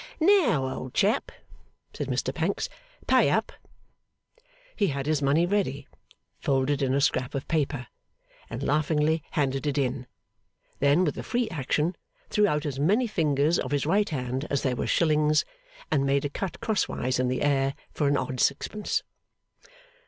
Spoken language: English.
'Now, old chap,' said Mr Pancks, 'pay up!' He had his money ready, folded in a scrap of paper, and laughingly handed it in; then with a free action, threw out as many fingers of his right hand as there were shillings, and made a cut crosswise in the air for an odd sixpence.